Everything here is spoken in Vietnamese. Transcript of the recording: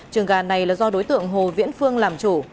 trường gà này là do đối tượng hồ viễn phương làm chủ